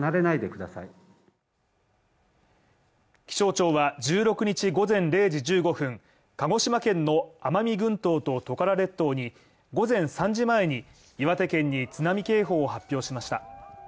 気象庁は１６日午前０時１５分、鹿児島県の奄美群島とトカラ列島に午前３時前に、岩手県に津波警報を発表しました。